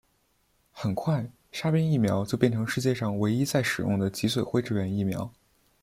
很快沙宾疫苗就变成世界上唯一在使用的脊髓灰质炎疫苗。